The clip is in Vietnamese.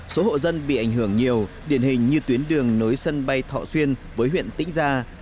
số hộ dân bị ảnh hưởng nhiều điển hình như tuyến đường nối sân bay thọ xuyên với huyện tĩnh gia